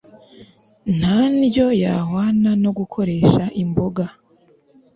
Nta ndyo yahwana no gukoresha imboga